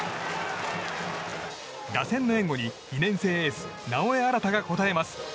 打線の援護に２年生エース直江新が応えます。